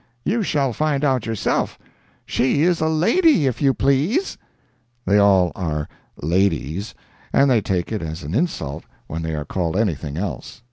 —you shall find out yourself—she is a lady, if you please!" They are all "ladies," and they take it as an insult when they are called anything else.